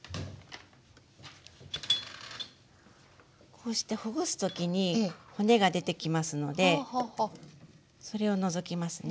こうしてほぐす時に骨が出てきますのでそれを除きますね。